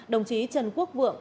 đồng chí trần quốc vượng